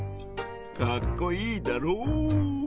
かっこいいだろう？